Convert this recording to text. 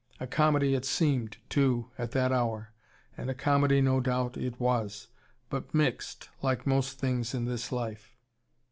A comedy it seemed, too, at that hour. And a comedy no doubt it was. But mixed, like most things in this life.